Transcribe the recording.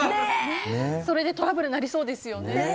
それでトラブルなりそうですね。